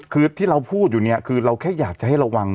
คือที่เราพูดอยู่เนี่ยคือเราแค่อยากจะให้ระวัง